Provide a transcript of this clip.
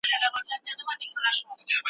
ځان له بدو خلګو لرې وساتئ.